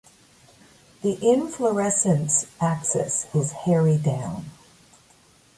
The inflorescence axis is hairy down.